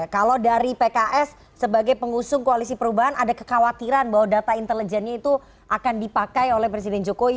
kalau dari pks sebagai pengusung koalisi perubahan ada kekhawatiran bahwa data intelijennya itu akan dipakai oleh presiden jokowi